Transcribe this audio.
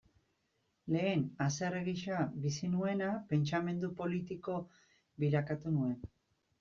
Lehen haserre gisa bizi nuena, pentsamendu politiko bilakatu nuen.